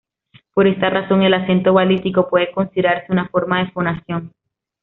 Por esta razón el acento balístico puede considerarse una forma de fonación.